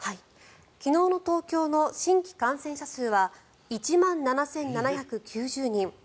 昨日の東京の新規感染者数は１万７７９０人。